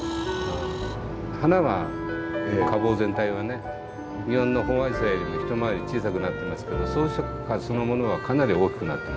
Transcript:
花は花房全体はね日本のホンアジサイよりも一回り小さくなってますけど装飾花そのものはかなり大きくなってます。